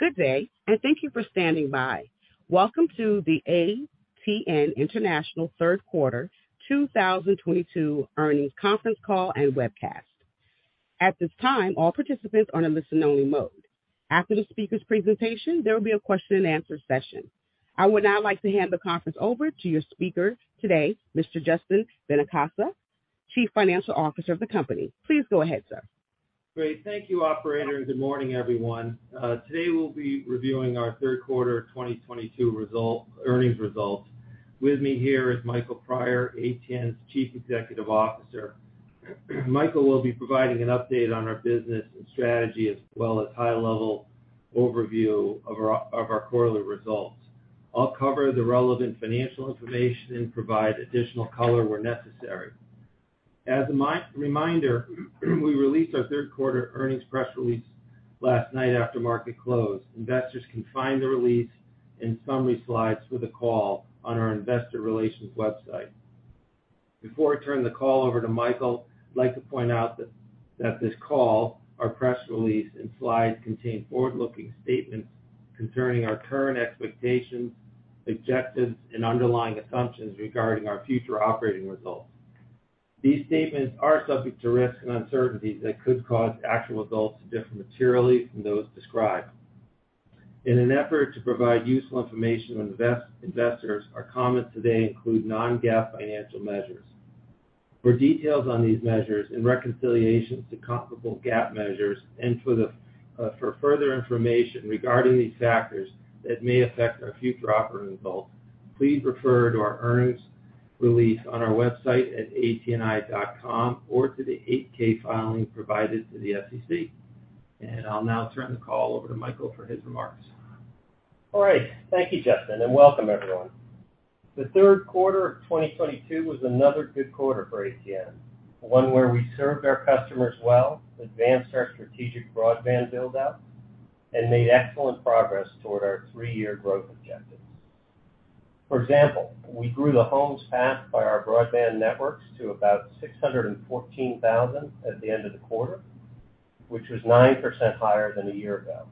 Good day, and thank you for standing by. Welcome to the ATN International third quarter 2022 earnings conference call and webcast. At this time, all participants are in listen-only mode. After the speaker's presentation, there will be a question-and-answer session. I would now like to hand the conference over to your speaker today, Mr. Justin Benincasa, Chief Financial Officer of the company. Please go ahead, sir. Great. Thank you, operator, and good morning, everyone. Today, we'll be reviewing our third quarter 2022 earnings results. With me here is Michael Prior, ATN's Chief Executive Officer. Michael will be providing an update on our business and strategy as well as high-level overview of our quarterly results. I'll cover the relevant financial information and provide additional color where necessary. As a reminder, we released our third quarter earnings press release last night after market closed. Investors can find the release and summary slides for the call on our investor relations website. Before I turn the call over to Michael, I'd like to point out that this call, our press release, and slides contain forward-looking statements concerning our current expectations, objectives, and underlying assumptions regarding our future operating results. These statements are subject to risks and uncertainties that could cause actual results to differ materially from those described. In an effort to provide useful information to investors, our comments today include non-GAAP financial measures. For details on these measures and reconciliations to comparable GAAP measures and for further information regarding these factors that may affect our future operating results, please refer to our earnings release on our website at atni.com or to the 8-K filing provided to the SEC. I'll now turn the call over to Michael for his remarks. All right. Thank you, Justin, and welcome everyone. The third quarter of 2022 was another good quarter for ATN, one where we served our customers well, advanced our strategic broadband build-out, and made excellent progress toward our three-year growth objectives. For example, we grew the homes passed by our broadband networks to about 614,000 at the end of the quarter, which was 9% higher than a year ago.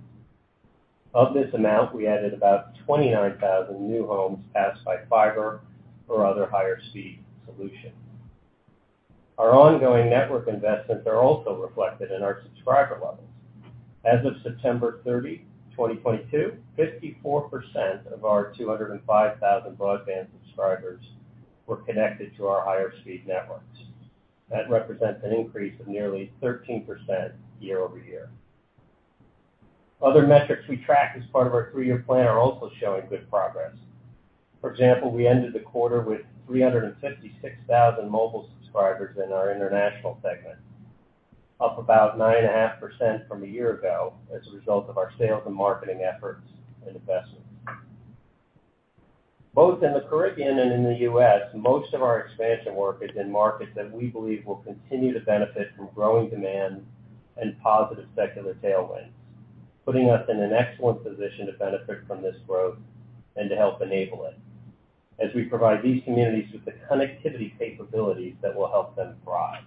Of this amount, we added about 29,000 new homes passed by fiber or other higher speed solutions. Our ongoing network investments are also reflected in our subscriber levels. As of September 30, 2022, 54% of our 205,000 broadband subscribers were connected to our higher speed networks. That represents an increase of nearly 13% year-over-year. Other metrics we track as part of our three-year plan are also showing good progress. For example, we ended the quarter with 356,000 mobile subscribers in our international segment, up about 9.5% from a year ago as a result of our sales and marketing efforts and investments. Both in the Caribbean and in the U.S., most of our expansion work is in markets that we believe will continue to benefit from growing demand and positive secular tailwinds, putting us in an excellent position to benefit from this growth and to help enable it as we provide these communities with the connectivity capabilities that will help them thrive.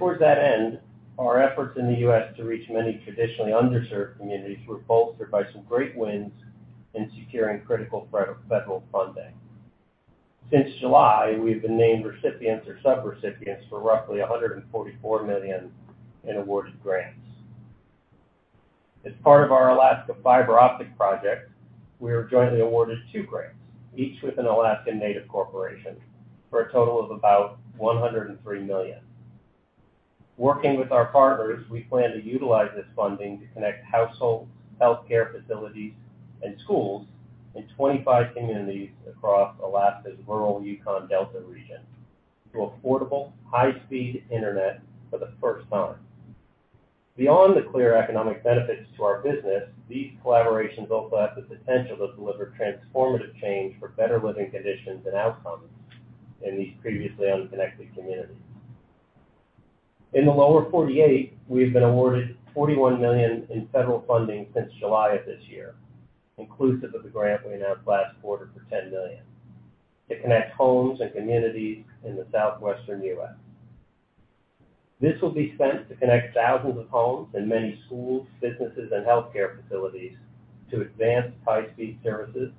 Towards that end, our efforts in the U.S. to reach many traditionally underserved communities were bolstered by some great wins in securing critical federal funding. Since July, we've been named recipients or subrecipients for roughly $144 million in awarded grants. As part of our Alaska fiber optic project, we were jointly awarded two grants, each with an Alaska Native Corporation, for a total of about $103 million. Working with our partners, we plan to utilize this funding to connect households, healthcare facilities, and schools in 25 communities across Alaska's rural Yukon Delta region to affordable, high-speed internet for the first time. Beyond the clear economic benefits to our business, these collaborations also have the potential to deliver transformative change for better living conditions and outcomes in these previously unconnected communities. In the lower 48, we've been awarded $41 million in federal funding since July of this year, inclusive of the grant we announced last quarter for $10 million, to connect homes and communities in the Southwestern U.S. This will be spent to connect thousands of homes and many schools, businesses, and healthcare facilities to advanced high-speed services,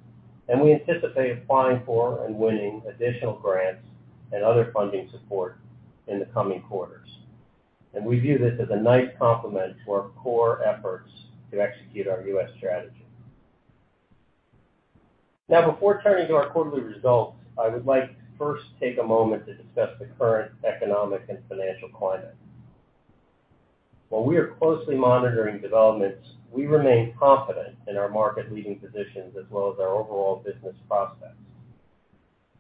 and we anticipate applying for and winning additional grants and other funding support in the coming quarters. We view this as a nice complement to our core efforts to execute our U.S. strategy. Now, before turning to our quarterly results, I would like to first take a moment to discuss the current economic and financial climate. While we are closely monitoring developments, we remain confident in our market leading positions as well as our overall business prospects.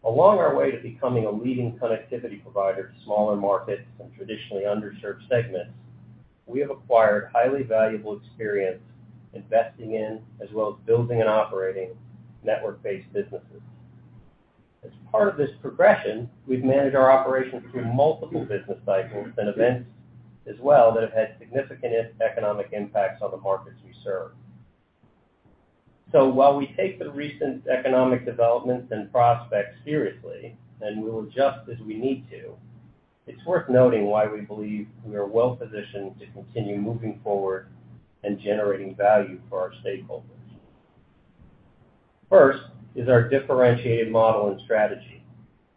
Along our way to becoming a leading connectivity provider to smaller markets and traditionally underserved segments, we have acquired highly valuable experience investing in as well as building and operating network-based businesses. As part of this progression, we've managed our operations through multiple business cycles and events as well that have had significant economic impacts on the markets we serve. While we take the recent economic developments and prospects seriously, and we will adjust as we need to, it's worth noting why we believe we are well-positioned to continue moving forward and generating value for our stakeholders. First is our differentiated model and strategy.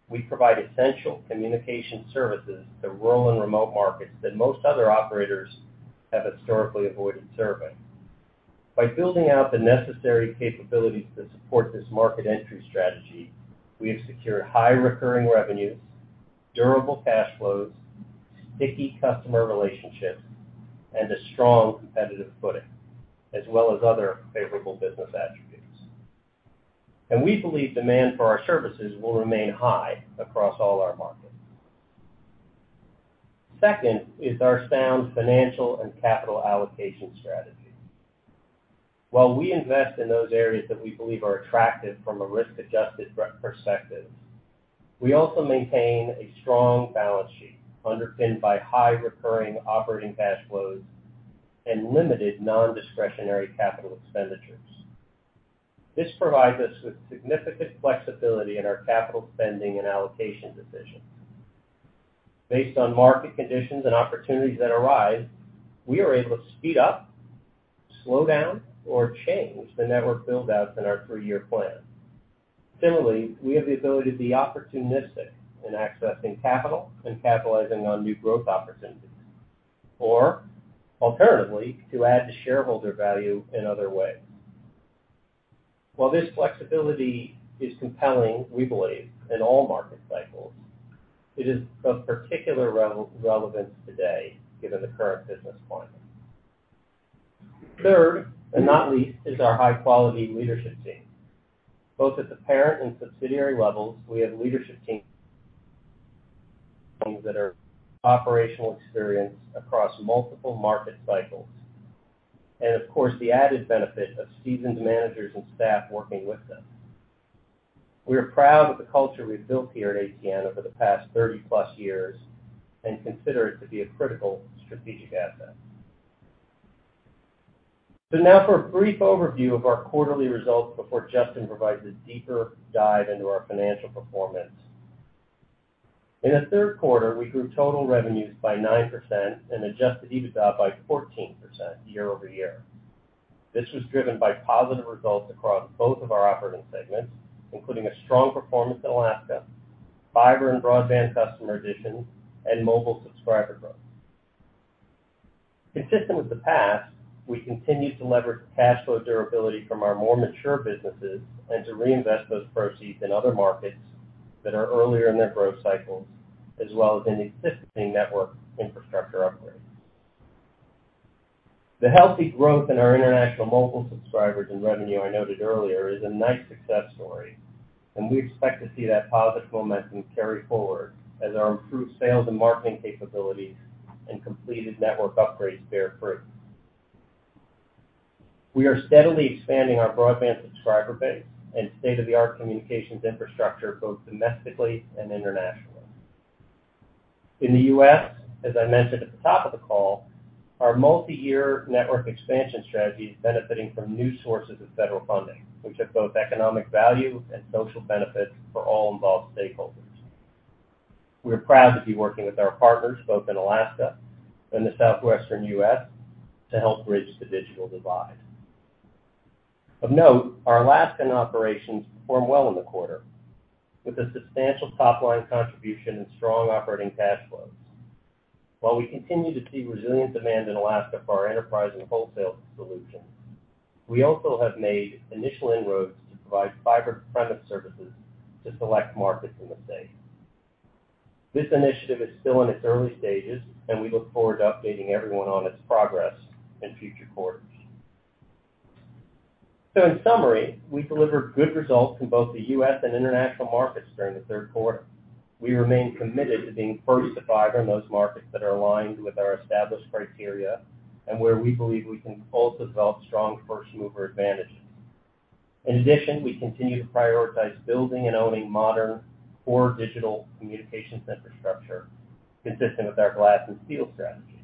We provide essential communication services to rural and remote markets that most other operators have historically avoided serving. By building out the necessary capabilities to support this market entry strategy, we have secured high recurring revenues, durable cash flows, sticky customer relationships, and a strong competitive footing, as well as other favorable business attributes. We believe demand for our services will remain high across all our markets. Second is our sound financial and capital allocation strategy. While we invest in those areas that we believe are attractive from a risk-adjusted perspective, we also maintain a strong balance sheet underpinned by high recurring operating cash flows and limited nondiscretionary capital expenditures. This provides us with significant flexibility in our capital spending and allocation decisions. Based on market conditions and opportunities that arise, we are able to speed up, slow down, or change the network build-outs in our three-year plan. Similarly, we have the ability to be opportunistic in accessing capital and capitalizing on new growth opportunities or alternatively, to add shareholder value in other ways. While this flexibility is compelling, we believe in all market cycles, it is of particular relevance today given the current business climate. Third and not least is our high-quality leadership team. Both at the parent and subsidiary levels, we have leadership teams that are operationally experienced across multiple market cycles, and of course, the added benefit of seasoned managers and staff working with them. We are proud of the culture we've built here at ATN over the past 30+ years and consider it to be a critical strategic asset. Now for a brief overview of our quarterly results before Justin provides a deeper dive into our financial performance. In the third quarter, we grew total revenues by 9% and adjusted EBITDA by 14% year-over-year. This was driven by positive results across both of our operating segments, including a strong performance in Alaska, fiber and broadband customer additions, and mobile subscriber growth. Consistent with the past, we continue to leverage the cash flow durability from our more mature businesses and to reinvest those proceeds in other markets that are earlier in their growth cycles, as well as in existing network infrastructure upgrades. The healthy growth in our international mobile subscribers and revenue I noted earlier is a nice success story, and we expect to see that positive momentum carry forward as our improved sales and marketing capabilities and completed network upgrades bear fruit. We are steadily expanding our broadband subscriber base and state-of-the-art communications infrastructure, both domestically and internationally. In the U.S., as I mentioned at the top of the call, our multiyear network expansion strategy is benefiting from new sources of federal funding, which have both economic value and social benefits for all involved stakeholders. We're proud to be working with our partners both in Alaska and the Southwestern U.S. to help bridge the digital divide. Of note, our Alaskan operations performed well in the quarter with a substantial top-line contribution and strong operating cash flows. While we continue to see resilient demand in Alaska for our enterprise and wholesale solutions, we also have made initial inroads to provide fiber premise services to select markets in the state. This initiative is still in its early stages, and we look forward to updating everyone on its progress in future quarters. In summary, we delivered good results in both the US and international markets during the third quarter. We remain committed to being First to Fiber in those markets that are aligned with our established criteria and where we believe we can also develop strong first-mover advantages. In addition, we continue to prioritize building and owning modern core digital communications infrastructure consistent with our Glass and Steel strategy.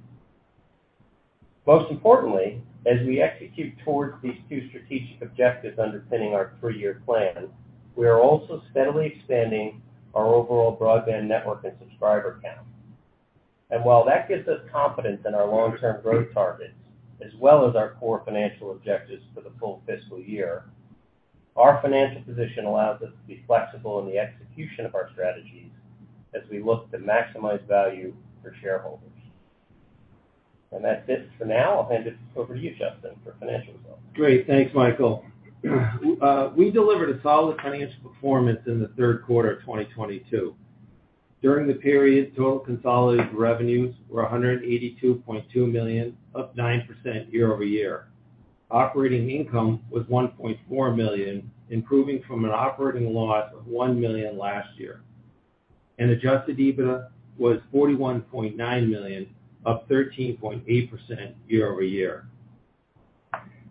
Most importantly, as we execute towards these two strategic objectives underpinning our three-year plan, we are also steadily expanding our overall broadband network and subscriber count. While that gives us confidence in our long-term growth targets as well as our core financial objectives for the full fiscal year, our financial position allows us to be flexible in the execution of our strategies as we look to maximize value for shareholders. That's it for now. I'll hand it over to you, Justin, for financial results. Great. Thanks, Michael. We delivered a solid financial performance in the third quarter of 2022. During the period, total consolidated revenues were $182.2 million, up 9% year-over-year. Operating income was $1.4 million, improving from an operating loss of $1 million last year. Adjusted EBITDA was $41.9 million, up 13.8% year-over-year.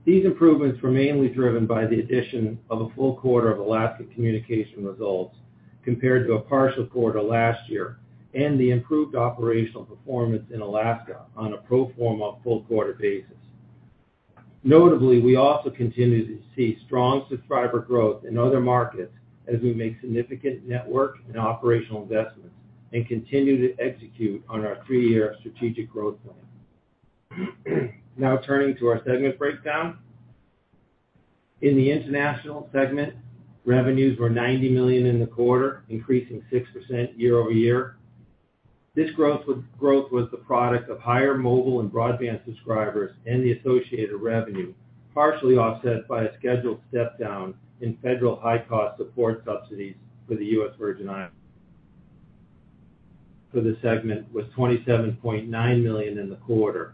These improvements were mainly driven by the addition of a full quarter of Alaska Communications results compared to a partial quarter last year and the improved operational performance in Alaska on a pro forma full quarter basis. Notably, we also continue to see strong subscriber growth in other markets as we make significant network and operational investments and continue to execute on our three-year strategic growth plan. Now turning to our segment breakdown. In the international segment, revenues were $90 million in the quarter, increasing 6% year-over-year. This growth was the product of higher mobile and broadband subscribers and the associated revenue, partially offset by a scheduled step down in federal high-cost support subsidies for the U.S. Virgin Islands. For the segment was $27.9 million in the quarter,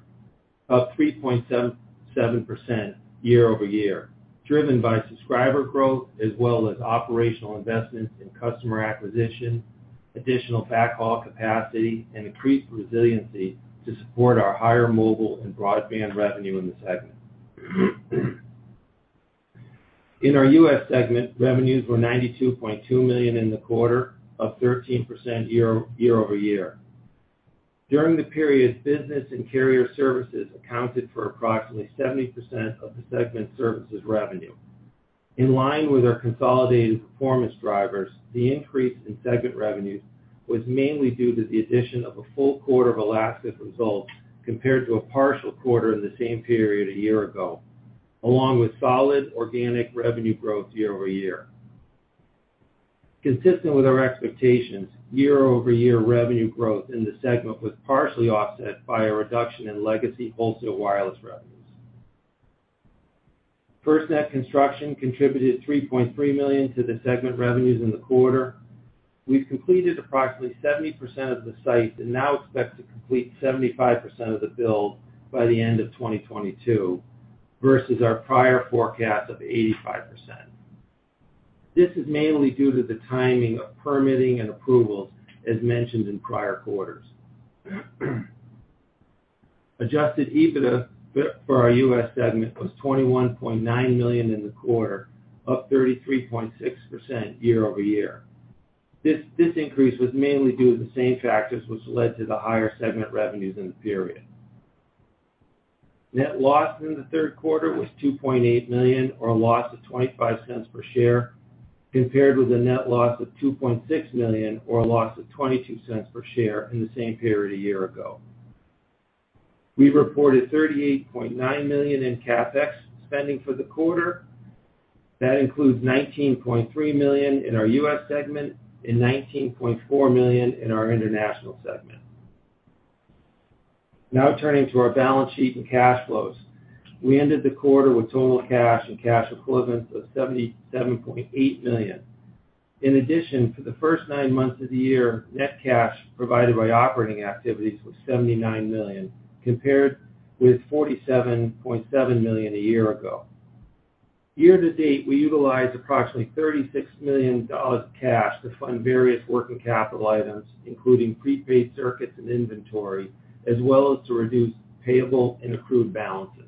up 3.7% year-over-year, driven by subscriber growth as well as operational investments in customer acquisition, additional backhaul capacity, and increased resiliency to support our higher mobile and broadband revenue in the segment. In our US segment, revenues were $92.2 million in the quarter, up 13% year-over-year. During the period, business and carrier services accounted for approximately 70% of the segment services revenue. In line with our consolidated performance drivers, the increase in segment revenues was mainly due to the addition of a full quarter of Alaska's results compared to a partial quarter in the same period a year ago, along with solid organic revenue growth year-over-year. Consistent with our expectations, year-over-year revenue growth in the segment was partially offset by a reduction in legacy wholesale wireless revenues. FirstNet construction contributed $3.3 million to the segment revenues in the quarter. We've completed approximately 70% of the sites and now expect to complete 75% of the build by the end of 2022 versus our prior forecast of 85%. This is mainly due to the timing of permitting and approvals as mentioned in prior quarters. Adjusted EBITDA for our U.S. segment was $21.9 million in the quarter, up 33.6% year-over-year. This increase was mainly due to the same factors which led to the higher segment revenues in the period. Net loss in the third quarter was $2.8 million or a loss of $0.25 per share, compared with a net loss of $2.6 million or a loss of $0.22 per share in the same period a year ago. We reported $38.9 million in CapEx spending for the quarter. That includes $19.3 million in our U.S. segment and $19.4 million in our international segment. Now turning to our balance sheet and cash flows. We ended the quarter with total cash and cash equivalents of $77.8 million. In addition, for the first nine months of the year, net cash provided by operating activities was $79 million, compared with $47.7 million a year ago. Year to date, we utilized approximately $36 million cash to fund various working capital items, including prepaid circuits and inventory, as well as to reduce payable and accrued balances.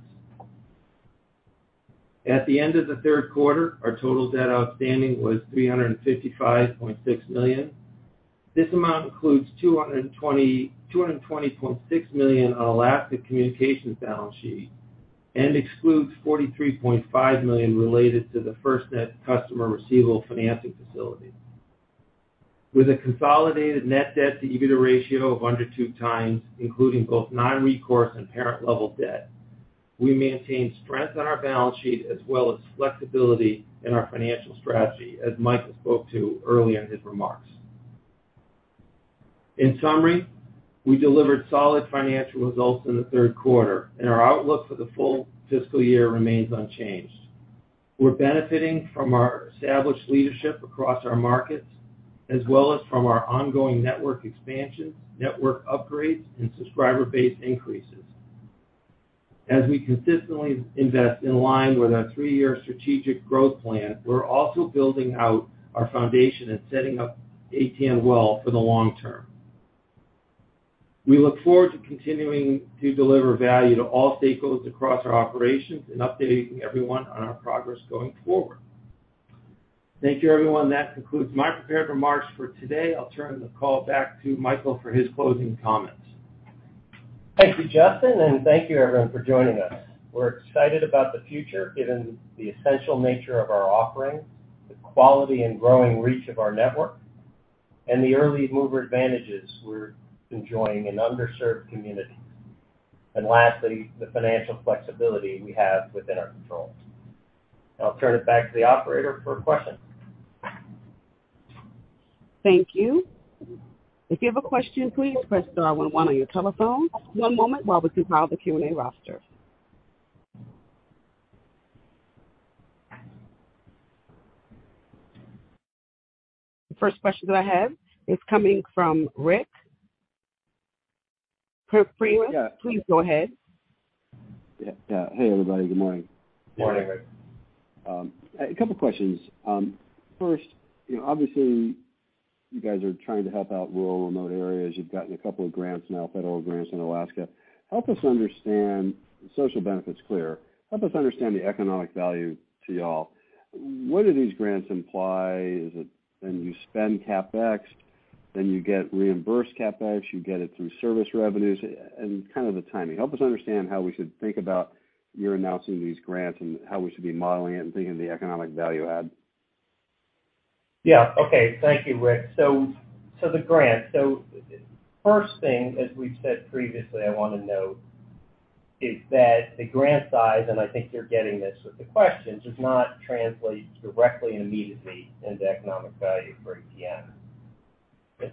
At the end of the third quarter, our total debt outstanding was $355.6 million. This amount includes $220.6 million on Alaska Communications balance sheet and excludes $43.5 million related to the FirstNet customer receivable financing facility. With a consolidated net debt to EBITDA ratio of under 2x, including both non-recourse and parent level debt, we maintain strength on our balance sheet as well as flexibility in our financial strategy, as Michael spoke to early in his remarks. In summary, we delivered solid financial results in the third quarter, and our outlook for the full fiscal year remains unchanged. We're benefiting from our established leadership across our markets, as well as from our ongoing network expansions, network upgrades, and subscriber base increases. As we consistently invest in line with our three-year strategic growth plan, we're also building out our foundation and setting up ATN well for the long term. We look forward to continuing to deliver value to all stakeholders across our operations and updating everyone on our progress going forward. Thank you, everyone. That concludes my prepared remarks for today. I'll turn the call back to Michael for his closing comments. Thank you, Justin, and thank you everyone for joining us. We're excited about the future given the essential nature of our offerings, the quality and growing reach of our network, and the early mover advantages we're enjoying in underserved communities, and lastly, the financial flexibility we have within our controls. I'll turn it back to the operator for questions. Thank you. If you have a question, please press star one one on your telephone. One moment while we compile the Q&A roster. The first question that I have is coming from Ric. Please go ahead. Yeah. Hey, everybody. Good morning. Morning, Ric. A couple questions. First, you know, obviously you guys are trying to help out rural remote areas. You've gotten a couple of grants now, federal grants in Alaska. Help us understand. The social benefit's clear. Help us understand the economic value to y'all. What do these grants imply? Is it when you spend CapEx, then you get reimbursed CapEx, you get it through service revenues, and kind of the timing. Help us understand how we should think about your announcing these grants and how we should be modeling it and thinking of the economic value add. Yeah. Okay. Thank you, Ric. So the grants. So first thing, as we've said previously, I wanna note is that the grant size, and I think you're getting this with the question, does not translate directly and immediately into economic value for ATN.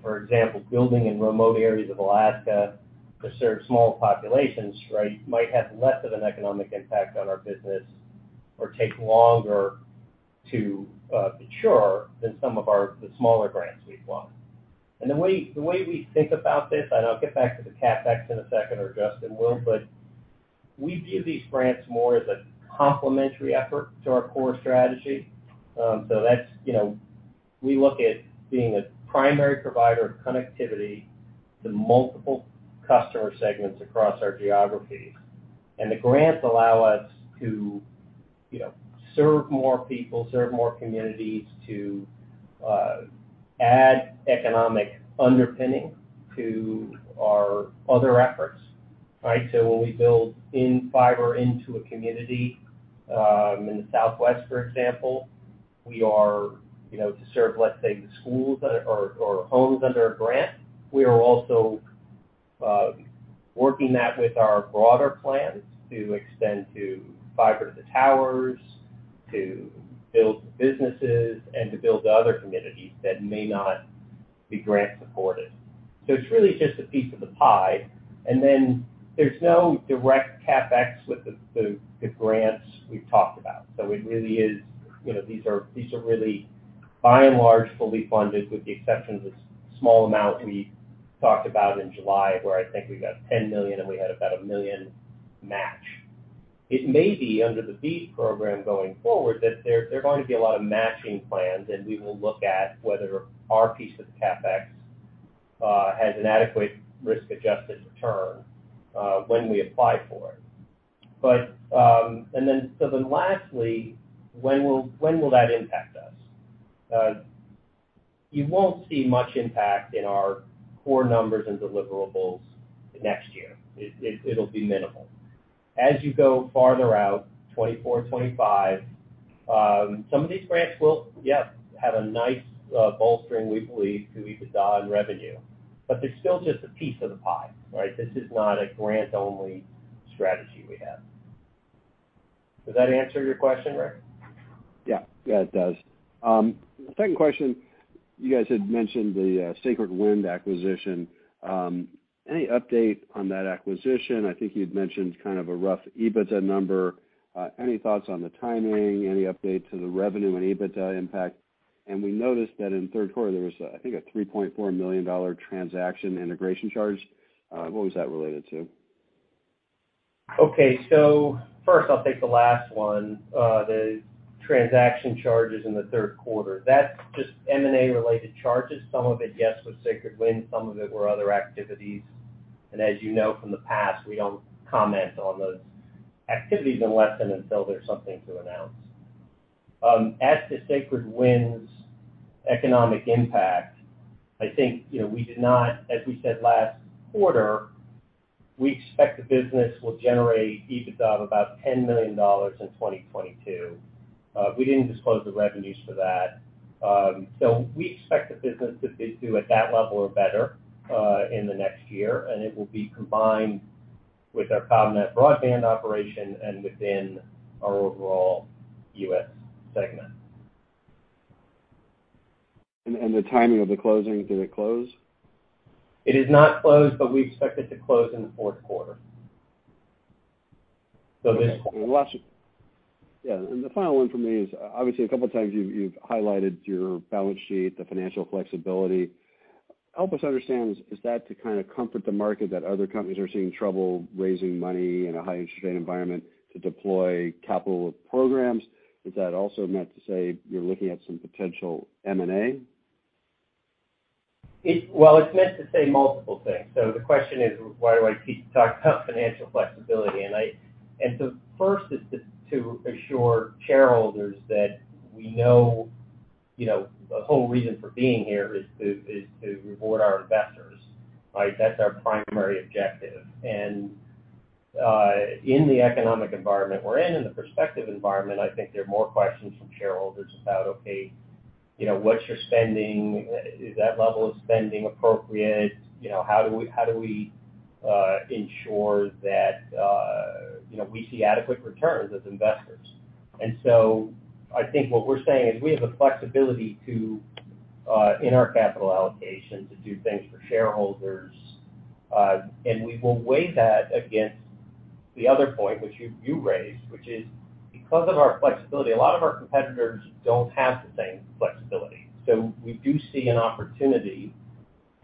For example, building in remote areas of Alaska to serve small populations, right, might have less of an economic impact on our business or take longer to mature than some of the smaller grants we've won. The way we think about this, and I'll get back to the CapEx in a second or Justin will, but we view these grants more as a complementary effort to our core strategy. That's, you know, we look at being a primary provider of connectivity to multiple customer segments across our geographies. The grants allow us to serve more people, serve more communities to add economic underpinning to our other efforts, right? When we build in fiber into a community in the Southwest, for example, we are to serve, let's say, the schools that are or homes under a grant, we are also working that with our broader plans to extend to fiber to towers, to build businesses, and to build to other communities that may not be grant supported. It's really just a piece of the pie, and then there's no direct CapEx with the grants we've talked about. It really is, you know, these are really by and large fully funded with the exception of the small amount we talked about in July, where I think we got $10 million, and we had about $1 million match. It may be under the BEAD program going forward that there are going to be a lot of matching plans, and we will look at whether our piece of CapEx has an adequate risk-adjusted return when we apply for it. Lastly, when will that impact us? You won't see much impact in our core numbers and deliverables next year. It'll be minimal. As you go farther out, 2024, 2025, some of these grants will, yeah, have a nice bolstering, we believe, to EBITDA and revenue, but they're still just a piece of the pie, right? This is not a grant-only strategy we have. Does that answer your question, Ric? Yeah. Yeah, it does. Second question, you guys had mentioned the Sacred Wind acquisition. Any update on that acquisition? I think you'd mentioned kind of a rough EBITDA number. Any thoughts on the timing? Any update to the revenue and EBITDA impact? We noticed that in third quarter, there was, I think, a $3.4 million transaction integration charge. What was that related to? Okay. First, I'll take the last one, the transaction charges in the third quarter. That's just M&A related charges. Some of it, yes, was Sacred Wind, some of it were other activities. As you know from the past, we don't comment on those activities unless and until there's something to announce. As to Sacred Wind's economic impact, I think, you know. As we said last quarter, we expect the business will generate EBITDA of about $10 million in 2022. We didn't disclose the revenues for that. So we expect the business to be, do at that level or better, in the next year, and it will be combined with our CommNet broadband operation and within our overall U.S. segment. The timing of the closing, did it close? It is not closed, but we expect it to close in the fourth quarter. Okay, the final one for me is, obviously, a couple of times you've highlighted your balance sheet, the financial flexibility. Help us understand, is that to kinda comfort the market that other companies are seeing trouble raising money in a high interest rate environment to deploy capital programs? Is that also meant to say you're looking at some potential M&A? Well, it's meant to say multiple things. The question is, why do I keep talking about financial flexibility? First is to assure shareholders that we know, you know, the whole reason for being here is to reward our investors, right? That's our primary objective. In the economic environment we're in and the prospective environment, I think there are more questions from shareholders about, okay, you know, what's your spending? Is that level of spending appropriate? You know, how do we ensure that, you know, we see adequate returns as investors? I think what we're saying is we have the flexibility to, in our capital allocation, to do things for shareholders. We will weigh that against the other point, which you raised, which is because of our flexibility, a lot of our competitors don't have the same flexibility. We do see an opportunity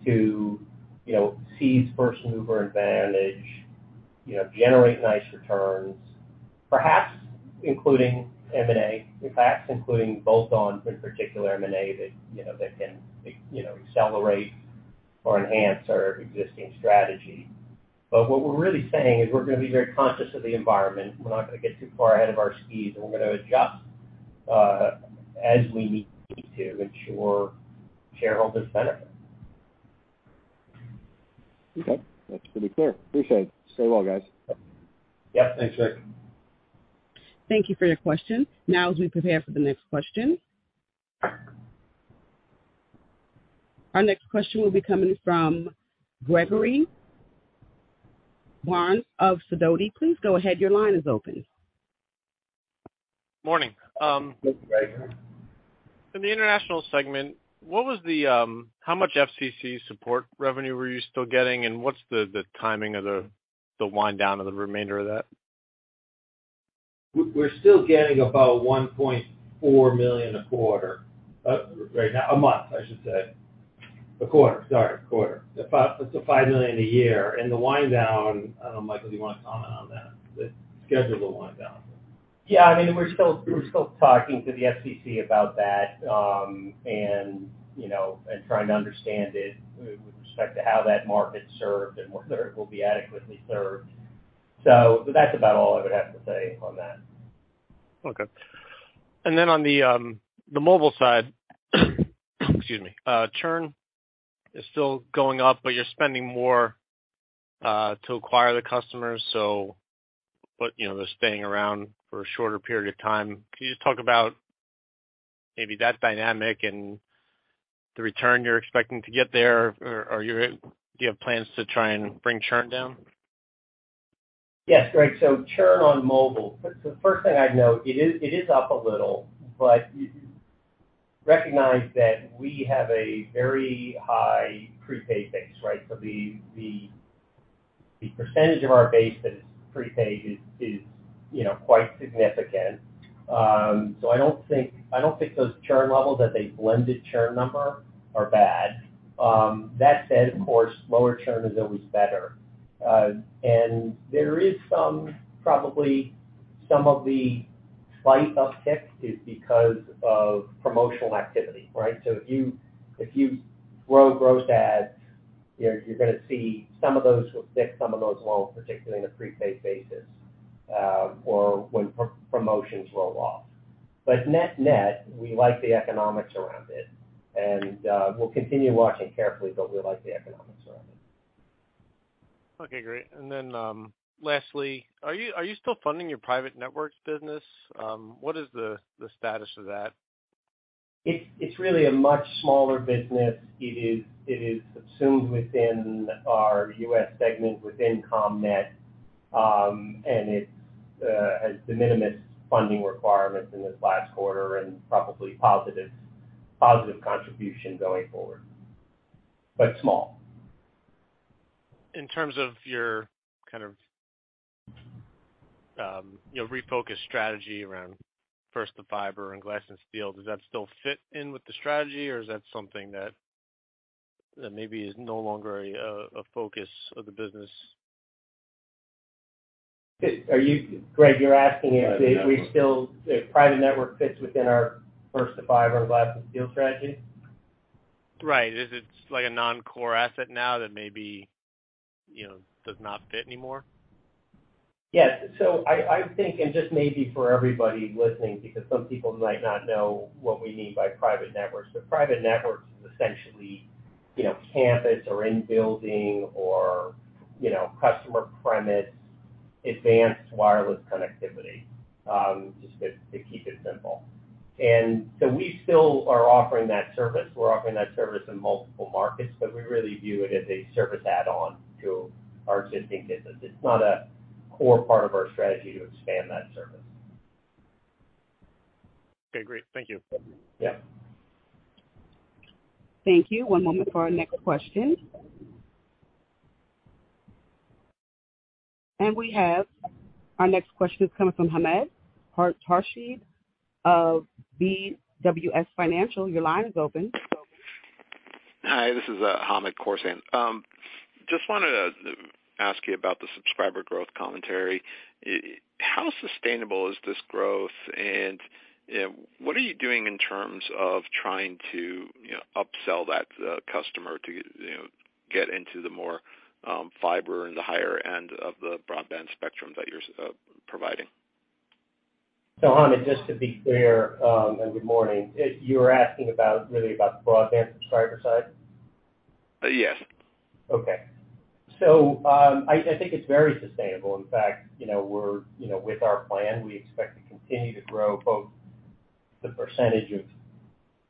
to, you know, seize first mover advantage, you know, generate nice returns, perhaps including M&A, perhaps including bolt-on, in particular M&A that, you know, that can, you know, accelerate or enhance our existing strategy. What we're really saying is we're gonna be very conscious of the environment. We're not gonna get too far ahead of our skis, and we're gonna adjust as we need to ensure shareholders benefit. Okay. That's pretty clear. Appreciate it. Stay well, guys. Yep. Thanks, Ric. Thank you for your question. Now as we prepare for the next question. Our next question will be coming from Gregory Burns of Sidoti. Please go ahead. Your line is open. Morning. Good morning. In the international segment, how much FCC support revenue were you still getting, and what's the timing of the wind down of the remainder of that? We're still getting about $1.4 million a quarter right now. A quarter. About $5 million a year. I don't know, Michael, do you wanna comment on that, the schedule of the wind down? Yeah, I mean, we're still talking to the FCC about that, and you know, trying to understand it with respect to how that market's served and whether it will be adequately served. That's about all I would have to say on that. Okay. On the mobile side, excuse me, churn is still going up, but you're spending more to acquire the customers, but, you know, they're staying around for a shorter period of time. Can you just talk about maybe that dynamic and the return you're expecting to get there? Or do you have plans to try and bring churn down? Yes, Greg. Churn on mobile. First thing I'd note, it is up a little, but you recognize that we have a very high prepaid base, right? The percentage of our base that is prepaid is, you know, quite significant. I don't think those churn levels as a blended churn number are bad. That said, of course, lower churn is always better. There is probably some of the slight uptick because of promotional activity, right? If you grow gross adds, you're gonna see some of those will stick, some of those won't, particularly in a prepaid basis, or when promotions roll off. Net-net, we like the economics around it. We'll continue watching carefully, but we like the economics around it. Okay, great. Lastly, are you still funding your private networks business? What is the status of that? It's really a much smaller business. It is assumed within our U.S. segment within CommNet, and it has de minimis funding requirements in this last quarter and probably positive contribution going forward, but small. In terms of your kind of, you know, refocused strategy around First to Fiber and Glass and Steel, does that still fit in with the strategy or is that something that maybe is no longer a focus of the business? Greg, you're asking if we still- Yeah. If private network fits within our First to Fiber and Glass and Steel strategy? Right. Is it like a non-core asset now that maybe, you know, does not fit anymore? Yes. I think, and just maybe for everybody listening, because some people might not know what we mean by private networks, but private networks is essentially, you know, campus or in-building or, you know, customer premise, advanced wireless connectivity, just to keep it simple. We still are offering that service. We're offering that service in multiple markets, but we really view it as a service add-on to our existing business. It's not a core part of our strategy to expand that service. Okay, great. Thank you. Yeah. Thank you. One moment for our next question. We have our next question is coming from Hamed Khorsand of BWS Financial. Your line is open. Hi, this is Hamed Khorsand. Just wanted to ask you about the subscriber growth commentary. How sustainable is this growth? You know, what are you doing in terms of trying to you know upsell that customer to you know get into the more fiber in the higher end of the broadband spectrum that you're providing? Hamed, just to be clear, and good morning. You're asking about, really about the broadband subscriber side? Yes. Okay. I think it's very sustainable. In fact, you know, we're, you know, with our plan, we expect to continue to grow both the percentage of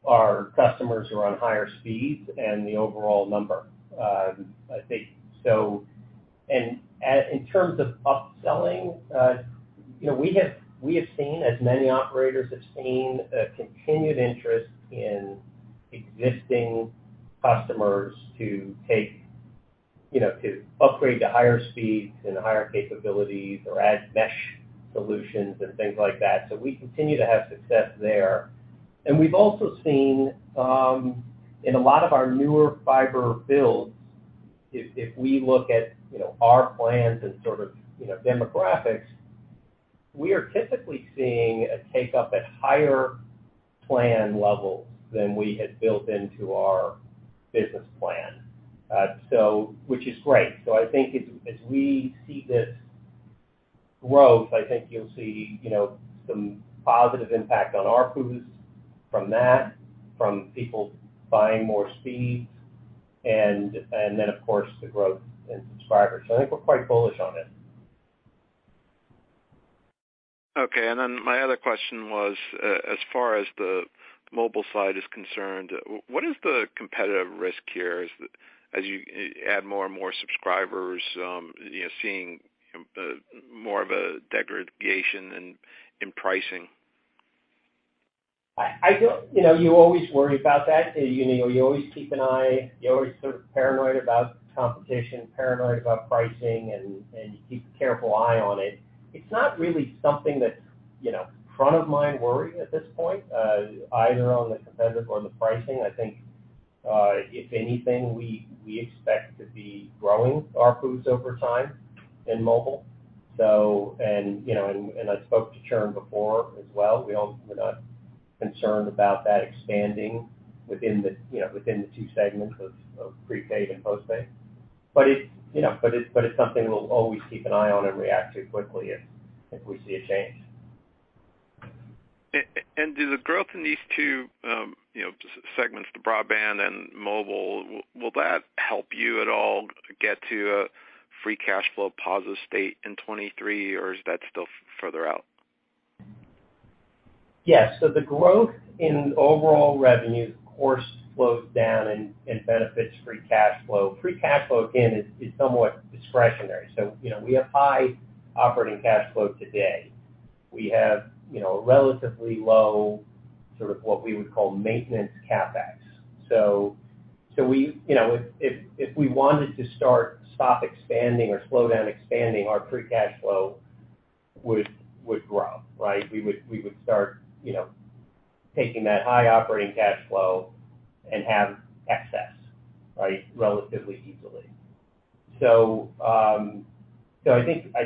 our customers who are on higher speeds and the overall number. I think so. In terms of upselling, you know, we have seen, as many operators have seen, a continued interest in existing customers to take, you know, to upgrade to higher speeds and higher capabilities or add mesh solutions and things like that. We continue to have success there. We've also seen, in a lot of our newer fiber builds, if we look at, you know, our plans and sort of, you know, demographics, we are typically seeing a take up at higher plan levels than we had built into our business plan. Which is great. I think as we see this growth, I think you'll see, you know, some positive impact on ARPU from that, from people buying more speeds, and then, of course, the growth in subscribers. I think we're quite bullish on it. Okay. My other question was, as far as the mobile side is concerned, what is the competitive risk here as you add more and more subscribers, you know, seeing more of a degradation in pricing? I don't. You know, you always worry about that. You know, you always keep an eye, you're always sort of paranoid about competition, paranoid about pricing, and you keep a careful eye on it. It's not really something that's, you know, front of mind worry at this point, either on the competitive or the pricing. I think, if anything, we expect to be growing ARPUs over time in mobile. You know, I spoke to churn before as well. We're not concerned about that expanding within the, you know, within the two segments of prepaid and postpaid. It's something we'll always keep an eye on and react to quickly if we see a change. Do the growth in these two, you know, segments, the broadband and mobile, will that help you at all get to a free cash flow positive state in 2023, or is that still further out? Yes. The growth in overall revenue, of course, slows down and benefits free cash flow. Free cash flow, again, is somewhat discretionary. You know, we have high operating cash flow today. We have, you know, relatively low sort of what we would call maintenance CapEx. We, you know, if we wanted to stop expanding or slow down expanding, our free cash flow would grow, right? We would start, you know, taking that high operating cash flow and have excess, right, relatively easily. I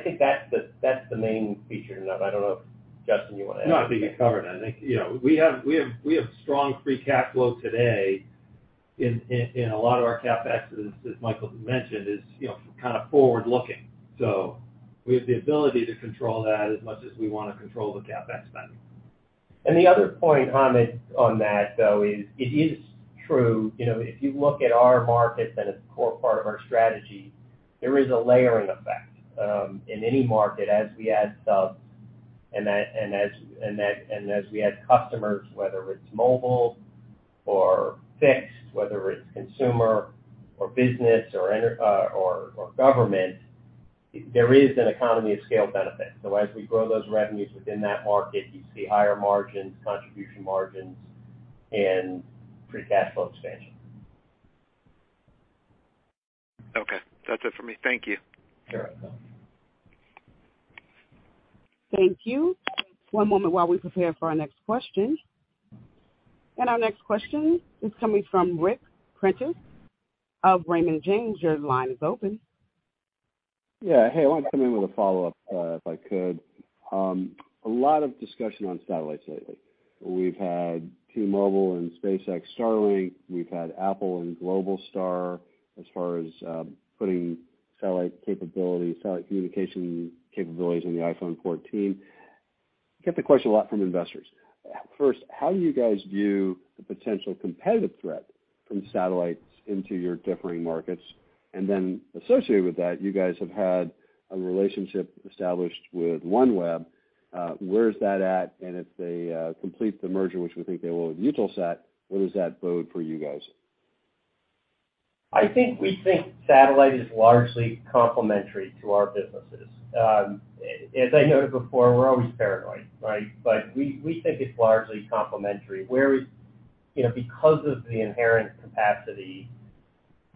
think that's the main feature. I don't know if, Justin, you wanna add anything. No, I think you covered it. I think, you know, we have strong free cash flow today in a lot of our CapEx, as Michael mentioned, is, you know, kind of forward looking. We have the ability to control that as much as we wanna control the CapEx spend. The other point on it, on that though is it is true, you know, if you look at our markets and a core part of our strategy, there is a layering effect. In any market as we add subs and as we add customers, whether it's mobile or fixed, whether it's consumer or business or government, there is an economy of scale benefit. As we grow those revenues within that market, you see higher margins, contribution margins, and free cash flow expansion. Okay. That's it for me. Thank you. Sure. Yeah. Thank you. One moment while we prepare for our next question. Our next question is coming from Ric Prentiss of Raymond James. Your line is open. Yeah. Hey, I want to come in with a follow-up, if I could. A lot of discussion on satellites lately. We've had T-Mobile and SpaceX Starlink. We've had Apple and Globalstar as far as putting satellite capability, satellite communication capabilities in the iPhone 14. Get the question a lot from investors. First, how do you guys view the potential competitive threat from satellites into your differing markets? And then associated with that, you guys have had a relationship established with OneWeb. Where is that at? And if they complete the merger, which we think they will, with Eutelsat, what does that bode for you guys? I think we think satellite is largely complementary to our businesses. As I noted before, we're always paranoid, right? We think it's largely complementary. You know, because of the inherent capacity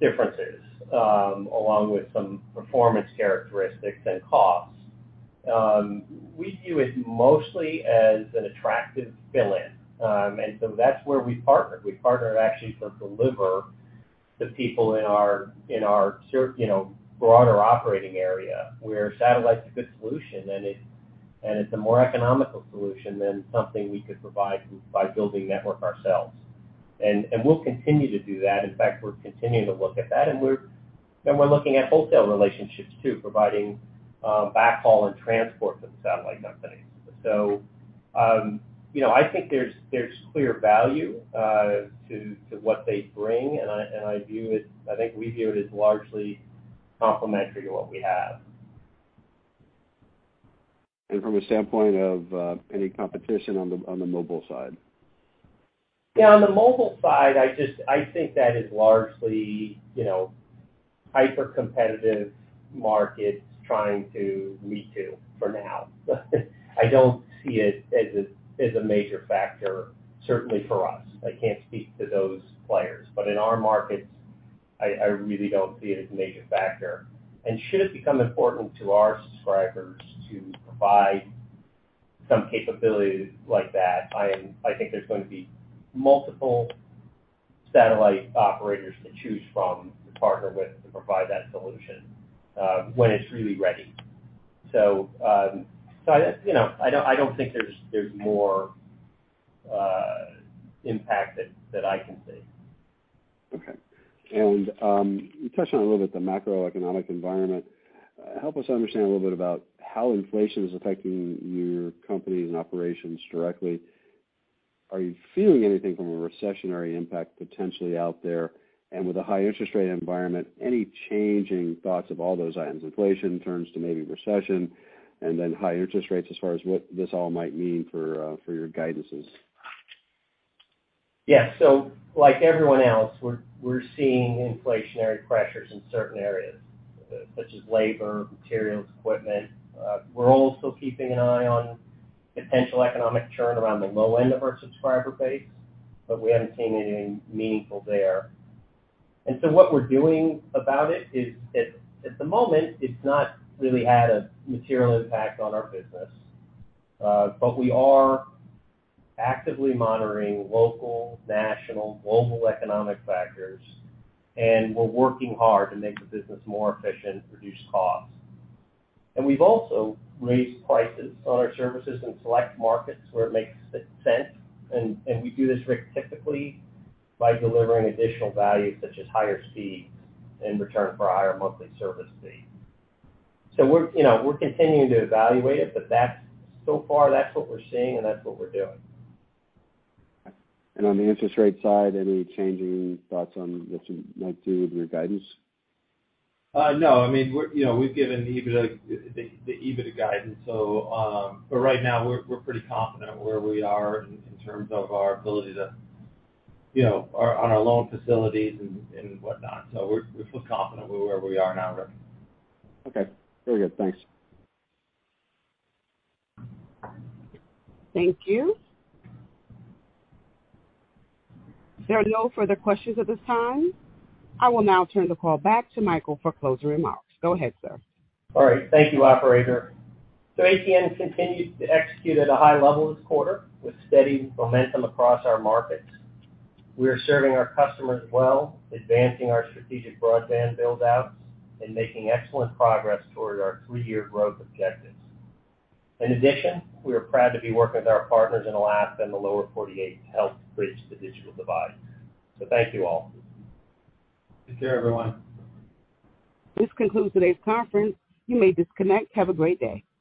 differences, along with some performance characteristics and costs, we view it mostly as an attractive fill-in. That's where we partner. We partner actually to deliver to the people in our, you know, broader operating area, where satellite is a good solution, and it's a more economical solution than something we could provide by building network ourselves. We'll continue to do that. In fact, we're continuing to look at that. We're looking at wholesale relationships too, providing backhaul and transport for the satellite companies. you know, I think there's clear value to what they bring, and I view it, I think we view it as largely complementary to what we have. From a standpoint of any competition on the mobile side. Yeah, on the mobile side, I just think that is largely, you know, hypercompetitive markets trying to me-too for now. I don't see it as a major factor, certainly for us. I can't speak to those players. In our markets, I really don't see it as a major factor. Should it become important to our subscribers to provide some capabilities like that, I think there's going to be multiple satellite operators to choose from to partner with to provide that solution, when it's really ready. I, you know, I don't think there's more impact that I can see. Okay. Touching a little bit the macroeconomic environment, help us understand a little bit about how inflation is affecting your company and operations directly. Are you feeling anything from a recessionary impact potentially out there? With a high interest rate environment, any changing thoughts of all those items, inflation in terms to maybe recession and then higher interest rates as far as what this all might mean for your guidances? Yeah. Like everyone else, we're seeing inflationary pressures in certain areas such as labor, materials, equipment. We're also keeping an eye on potential economic churn around the low end of our subscriber base, but we haven't seen anything meaningful there. What we're doing about it is at the moment, it's not really had a material impact on our business. We are actively monitoring local, national, global economic factors, and we're working hard to make the business more efficient, reduce costs. We've also raised prices on our services in select markets where it makes sense. We do this, Ric, typically by delivering additional value such as higher speeds in return for a higher monthly service fee. We're, you know, continuing to evaluate it, but that's so far, that's what we're seeing and that's what we're doing. On the interest rate side, any changing thoughts on what you might do with your guidance? No. I mean, you know, we've given EBITDA, the EBITDA guidance, but right now we're pretty confident where we are in terms of our ability to, you know, on our loan facilities and whatnot. We feel confident with where we are now, Ric. Okay. Very good. Thanks. Thank you. There are no further questions at this time. I will now turn the call back to Michael for closing remarks. Go ahead, sir. All right. Thank you, operator. ATN continues to execute at a high level this quarter with steady momentum across our markets. We are serving our customers well, advancing our strategic broadband build-outs, and making excellent progress toward our three-year growth objectives. In addition, we are proud to be working with our partners in Alaska and the Lower 48 to help bridge the digital divide. Thank you all. Take care, everyone. This concludes today's conference. You may disconnect. Have a great day.